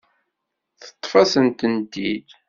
Yeṭṭef-asent-t-id.